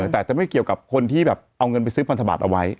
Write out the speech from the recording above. แต่จะไม่เกี่ยวกับคนที่แบบเอาเงินไปซื้อพันธบัตรเอาไว้